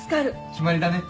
決まりだね。